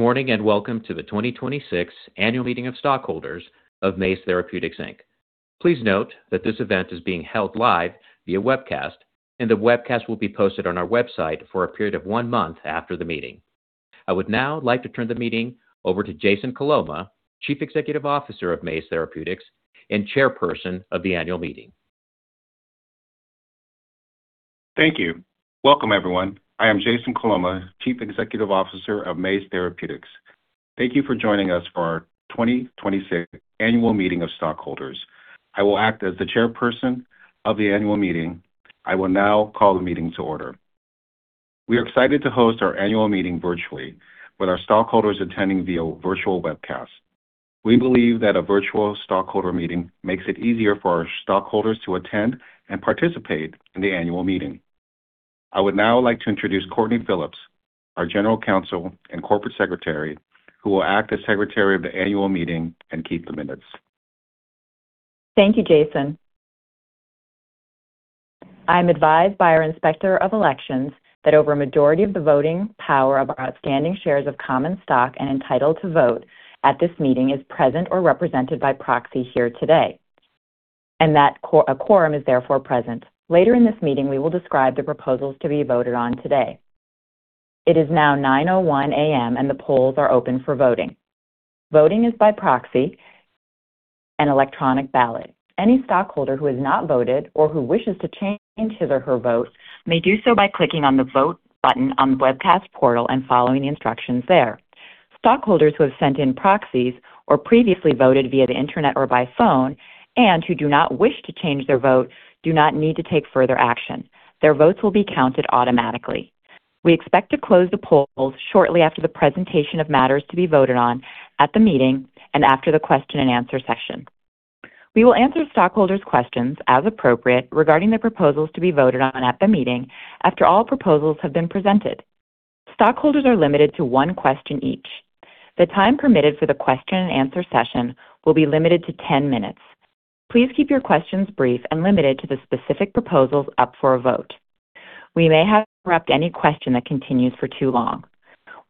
Good morning, welcome to the 2026 Annual Meeting of Stockholders of Maze Therapeutics. Please note that this event is being held live via webcast, and the webcast will be posted on our website for a period of one month after the meeting. I would now like to turn the meeting over to Jason Coloma, Chief Executive Officer of Maze Therapeutics and Chairperson of the annual meeting. Thank you. Welcome, everyone. I am Jason Coloma, Chief Executive Officer of Maze Therapeutics. Thank you for joining us for our 2026 Annual Meeting of Stockholders. I will act as the Chairperson of the annual meeting. I will now call the meeting to order. We are excited to host our annual meeting virtually with our stockholders attending via virtual webcast. We believe that a virtual stockholder meeting makes it easier for our stockholders to attend and participate in the annual meeting. I would now like to introduce Courtney Phillips, our General Counsel and Corporate Secretary, who will act as Secretary of the annual meeting and keep the minutes. Thank you, Jason. I am advised by our Inspector of Elections that over a majority of the voting power of our outstanding shares of common stock and entitled to vote at this meeting is present or represented by proxy here today, and that a quorum is therefore present. Later in this meeting, we will describe the proposals to be voted on today. It is now 9:01 A.M. and the polls are open for voting. Voting is by proxy and electronic ballot. Any stockholder who has not voted or who wishes to change his or her vote may do so by clicking on the Vote button on the webcast portal and following the instructions there. Stockholders who have sent in proxies or previously voted via the internet or by phone and who do not wish to change their vote do not need to take further action. Their votes will be counted automatically. We expect to close the polls shortly after the presentation of matters to be voted on at the meeting and after the question-and-answer session. We will answer stockholders' questions as appropriate regarding the proposals to be voted on at the meeting after all proposals have been presented. Stockholders are limited to one question each. The time permitted for the question-and-answer session will be limited to 10 minutes. Please keep your questions brief and limited to the specific proposals up for a vote. We may have to interrupt any question that continues for too long.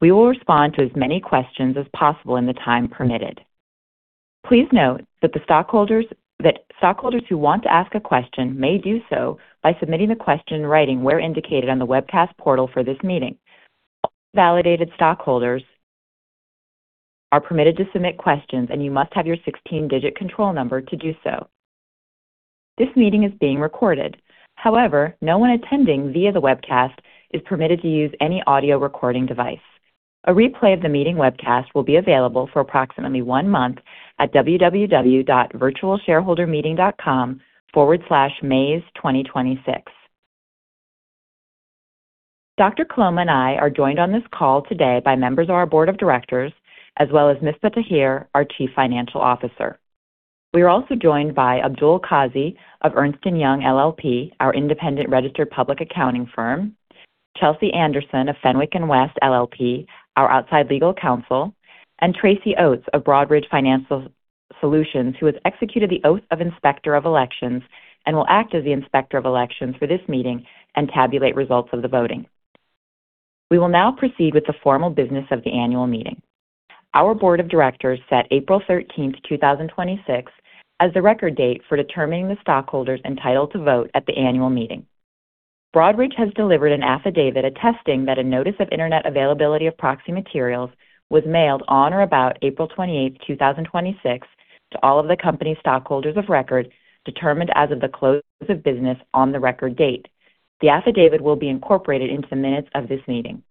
We will respond to as many questions as possible in the time permitted. Please note that stockholders who want to ask a question may do so by submitting the question in writing where indicated on the webcast portal for this meeting. Only validated stockholders are permitted to submit questions, and you must have your 16-digit control number to do so. This meeting is being recorded. However, no one attending via the webcast is permitted to use any audio recording device. A replay of the meeting webcast will be available for approximately one month at www.virtualshareholdermeeting.com/maze2026. Dr. Coloma and I are joined on this call today by members of our Board of Directors as well as Misbah Tahir, our Chief Financial Officer. We are also joined by Abdul Kazi of Ernst & Young LLP, our independent registered public accounting firm, Chelsea Anderson of Fenwick & West LLP, our outside legal counsel, and Tracy Oates of Broadridge Financial Solutions, who has executed the oath of Inspector of Elections and will act as the Inspector of Elections for this meeting and tabulate results of the voting. We will now proceed with the formal business of the annual meeting. Our Board of Directors set April 13th, 2026, as the record date for determining the stockholders entitled to vote at the annual meeting. Broadridge has delivered an affidavit attesting that a notice of internet availability of proxy materials was mailed on or about April 28th, 2026, to all of the company stockholders of record determined as of the close of business on the record date. The affidavit will be incorporated into the minutes of this meeting.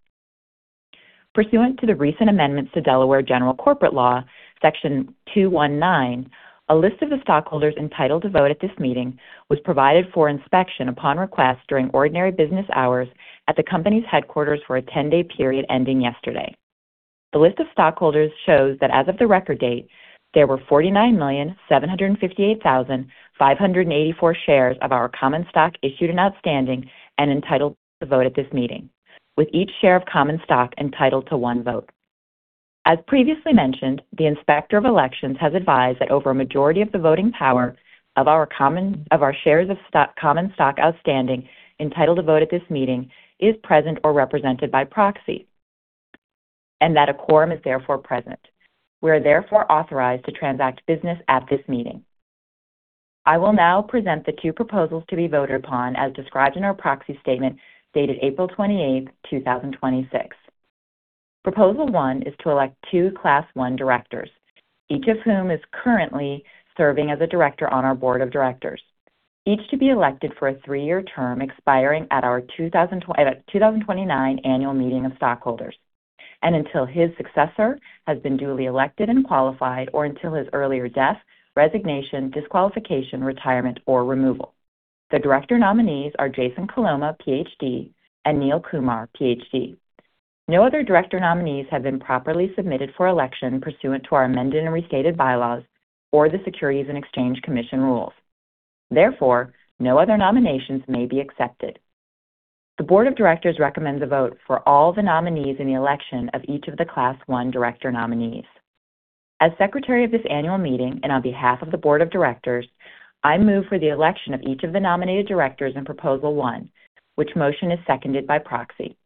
Pursuant to the recent amendments to Delaware General Corporation Law, Section 219, a list of the stockholders entitled to vote at this meeting was provided for inspection upon request during ordinary business hours at the company's headquarters for a 10-day period ending yesterday. The list of stockholders shows that as of the record date, there were 49,758,584 shares of our common stock issued and outstanding and entitled to vote at this meeting, with each share of common stock entitled to one vote. As previously mentioned, the Inspector of Elections has advised that over a majority of the voting power of our shares of common stock outstanding entitled to vote at this meeting is present or represented by proxy, and that a quorum is therefore present. We are therefore authorized to transact business at this meeting. I will now present the two proposals to be voted upon as described in our proxy statement dated April 28th, 2026. Proposal one is to elect two Class I Directors, each of whom is currently serving as a Director on our Board of Directors, each to be elected for a three-year term expiring at our 2029 Annual Meeting of Stockholders and until his successor has been duly elected and qualified or until his earlier death, resignation, disqualification, retirement, or removal. The Director nominees are Jason Coloma, PhD, and Neil Kumar, PhD. No other Director nominees have been properly submitted for election pursuant to our amended and restated bylaws or the Securities and Exchange Commission rules. No other nominations may be accepted. The Board of Directors recommends a vote for all the nominees in the election of each of the Class I Director nominees. As secretary of this annual meeting, and on behalf of the Board of Directors, I move for the election of each of the nominated directors in Proposal one, which motion is seconded by proxy.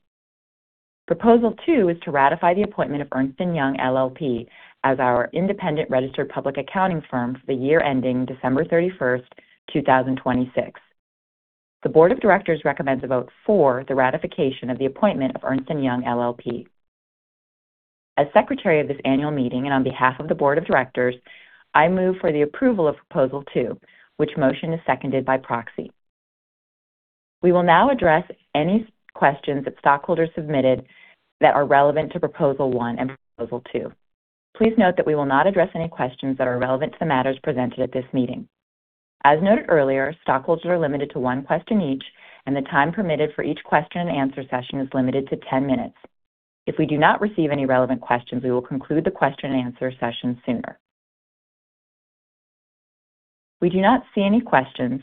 Proposal two is to ratify the appointment of Ernst & Young LLP as our independent registered public accounting firm for the year ending December 31st, 2026. The Board of Directors recommends a vote for the ratification of the appointment of Ernst & Young LLP. As secretary of this annual meeting, and on behalf of the Board of Directors, I move for the approval of Proposal two, which motion is seconded by proxy. We will now address any questions that stockholders submitted that are relevant to Proposal one and Proposal two. Please note that we will not address any questions that are irrelevant to the matters presented at this meeting. As noted earlier, stockholders are limited to one question each, and the time permitted for each question-and-answer session is limited to 10 minutes. If we do not receive any relevant questions, we will conclude the question-and-answer session sooner. We do not see any questions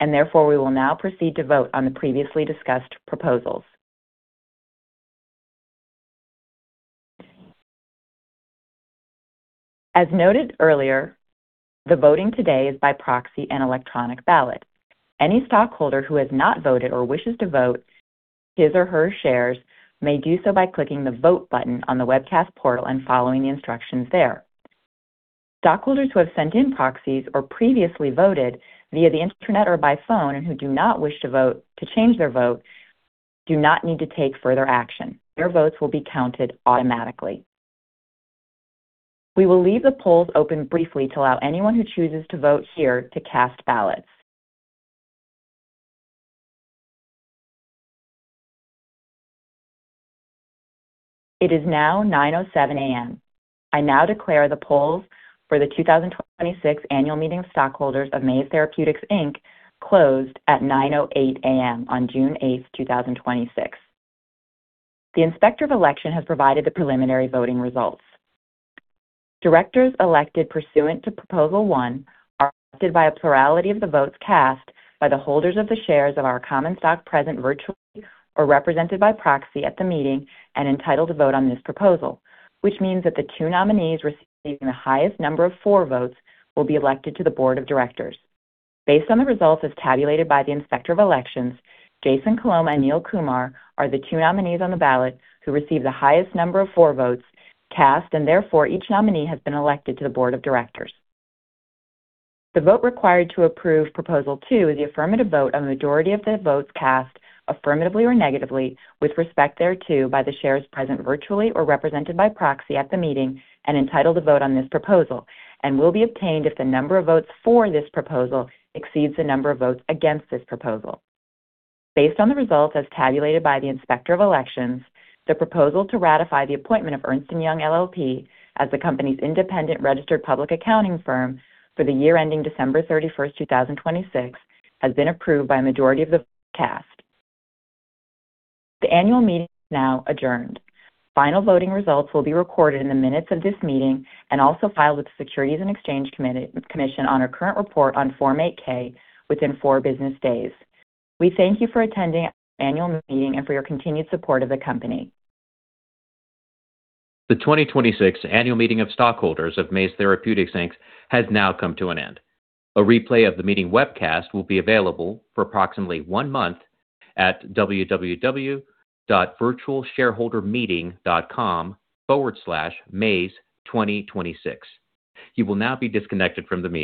and therefore we will now proceed to vote on the previously discussed proposals. As noted earlier, the voting today is by proxy and electronic ballot. Any stockholder who has not voted or wishes to vote his or her shares may do so by clicking the vote button on the webcast portal and following the instructions there. Stockholders who have sent in proxies or previously voted via the internet or by phone and who do not wish to change their vote do not need to take further action. Their votes will be counted automatically. We will leave the polls open briefly to allow anyone who chooses to vote here to cast ballots. It is now 9:00 A.M. I now declare the polls for the 2026 Annual Meeting of Stockholders of Maze Therapeutics, Inc. closed at 9:00 A.M. on June 8th, 2026. The Inspector of Elections has provided the preliminary voting results. Directors elected pursuant to Proposal one are elected by a plurality of the votes cast by the holders of the shares of our common stock present virtually or represented by proxy at the meeting and entitled to vote on this proposal, which means that the two nominees receiving the highest number of four votes will be elected to the Board of Directors. Based on the results as tabulated by the Inspector of Elections, Jason Coloma and Neil Kumar are the two nominees on the ballot who received the highest number of four votes cast, and therefore each nominee has been elected to the Board of Directors. The vote required to approve Proposal two is the affirmative vote on the majority of the votes cast affirmatively or negatively with respect thereto by the shares present virtually or represented by proxy at the meeting and entitled to vote on this proposal and will be obtained if the number of votes for this proposal exceeds the number of votes against this proposal. Based on the results as tabulated by the inspector of elections, the proposal to ratify the appointment of Ernst & Young LLP as the company's independent registered public accounting firm for the year ending December 31st, 2026, has been approved by a majority of the votes cast. The annual meeting is now adjourned. Final voting results will be recorded in the minutes of this meeting and also filed with the Securities and Exchange Commission on our current report on Form 8-K within four business days. We thank you for attending our annual meeting and for your continued support of the company. The 2026 Annual Meeting of Stockholders of Maze Therapeutics Inc. has now come to an end. A replay of the meeting webcast will be available for approximately one month at www.virtualshareholdermeeting.com/maze2026. You will now be disconnected from the meeting.